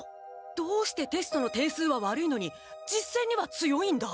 どうしてテストの点数は悪いのに実戦には強いんだ？